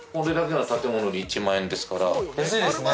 安いですね